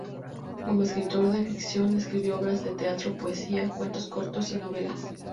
Como escritor de ficción, escribió obras de teatro, poesía, cuentos cortos y novelas.